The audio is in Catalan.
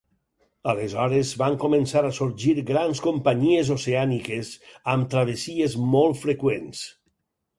Aleshores van començar a sorgir grans companyies oceàniques amb travessies molt freqüents.